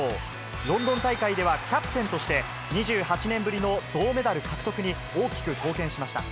ロンドン大会ではキャプテンとして、２８年ぶりの銅メダル獲得に大きく貢献しました。